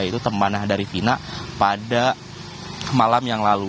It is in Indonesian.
itu temanah dari vina pada malam yang lalu